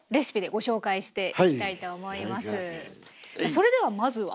それではまずは。